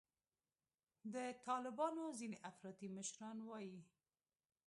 د طالبانو ځیني افراطي مشران وایي